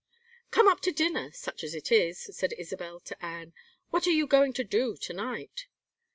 "Come up to dinner, such as it is," said Isabel, to Anne. "What are you going to do to night?"